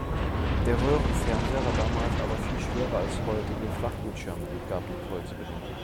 Der Röhrenfernseher war damals aber viel schwerer als heutige Flachbildschirme, gab Nicole zu bedenken.